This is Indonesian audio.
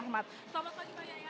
selamat pagi pak yayan